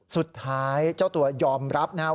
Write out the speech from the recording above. สุดท้ายเจ้าตัวยออกยอมรับนะครับ